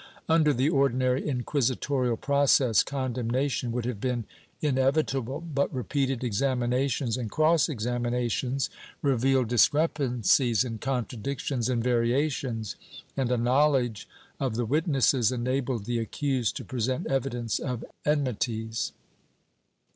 Under the ordi nary inquisitorial process, condemnation would have been inevi table, but repeated examinations and cross examinations revealed discrepancies and contradictions and variations, and a knovdedge of the witnesses enabled the accused to present evidence of en mities.